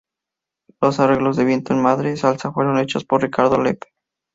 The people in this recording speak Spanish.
Los arreglos de viento en "Madre salsa" fueron hechos por Ricardo Lew.